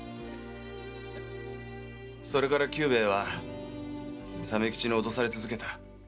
それから久兵衛は鮫吉におどされ続けた。